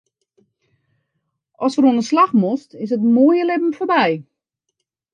Ast wer oan 'e slach moatst, is it moaie libben foarby.